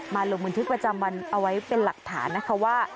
ลงบันทึกประจำวันเอาไว้เป็นหลักฐานนะคะว่า